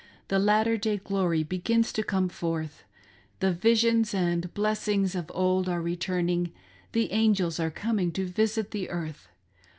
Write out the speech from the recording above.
The latter day glory begins to come forth; The visions and blessings of old are returning, The angels are coming to visit the earth.